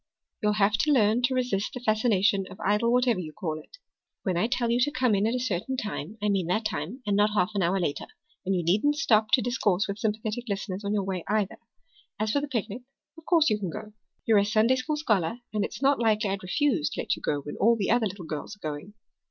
"You'll have to learn to resist the fascination of Idle whatever you call it. When I tell you to come in at a certain time I mean that time and not half an hour later. And you needn't stop to discourse with sympathetic listeners on your way, either. As for the picnic, of course you can go. You're a Sunday school scholar, and it's not likely I'd refuse to let you go when all the other little girls are going."